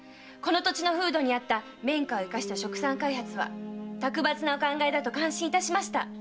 この土地の風土に合う綿花を生かした殖産開発は卓抜なお考えだと感心いたしました。